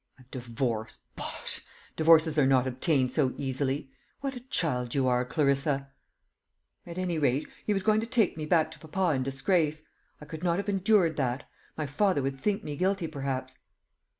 "A divorce bosh! Divorces are not obtained so easily. What a child you are, Clarissa!" "At any rate, he was going to take me back to papa in disgrace. I could not have endured that. My father would think me guilty, perhaps."